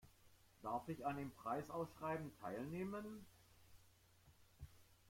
Darf ich an dem Preisausschreiben teilnehmen?